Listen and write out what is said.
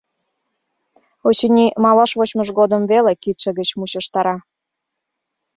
Очыни, малаш вочмыж годым веле кидше гыч мучыштара.